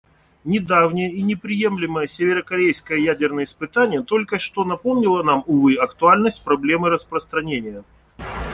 Недавнее и неприемлемое северокорейское ядерное испытание только что напомнило нам, увы, актуальность проблемы распространения.